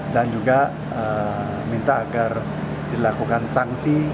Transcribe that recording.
dan juga minta agar dilakukan sanksi